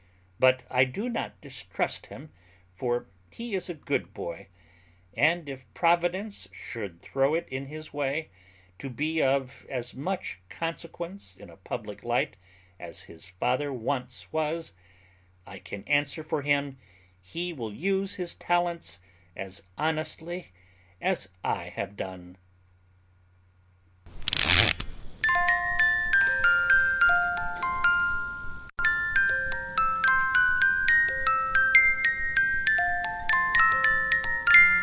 But I do not distrust him, for he is a good boy; and if Providence should throw it in his way to be of as much consequence in a public light as his father once was, I can answer for him he will use his talents as honestly as I have done."